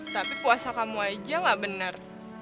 tapi puasa kamu aja lah bener